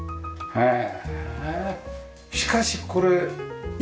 へえ。